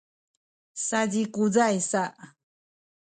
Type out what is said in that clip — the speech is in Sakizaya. sazikuzay sa